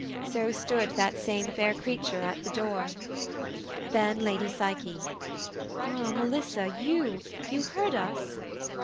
So stood that same fair creature at the door. Then Lady Psyche, 'Ah Melissa you! You heard us?'